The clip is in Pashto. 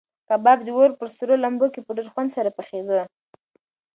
کباب د اور په سرو لمبو کې په ډېر خوند سره پخېده.